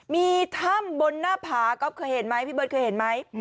มีถ้ำบนหน้าผาก๊อฟเคยเห็นไหมพี่เบิร์ตเคยเห็นไหม